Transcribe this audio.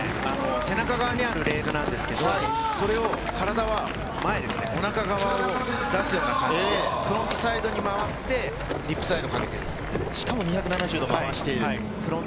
背中側にあるレールなんですけど、それを体は前ですね、お腹側を出すような形でフロントサイドに回って、リップスライドかけている。